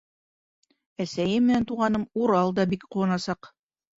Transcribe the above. Әсәйем менән туғаным Урал да бик ҡыуанасаҡ.